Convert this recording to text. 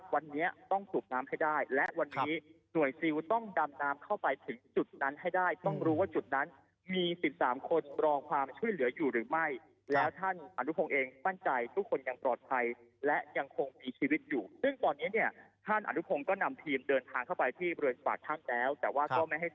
วันนี้ต้องสูบน้ำให้ได้และวันนี้หน่วยซิลต้องดำน้ำเข้าไปถึงจุดนั้นให้ได้ต้องรู้ว่าจุดนั้นมี๑๓คนรอความช่วยเหลืออยู่หรือไม่แล้วท่านอนุพงศ์เองมั่นใจทุกคนยังปลอดภัยและยังคงมีชีวิตอยู่ซึ่งตอนนี้เนี่ยท่านอนุพงศ์ก็นำทีมเดินทางเข้าไปที่บริเวณปากถ้ำแล้วแต่ว่าก็ไม่ให้